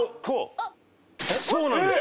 そうなんですよ。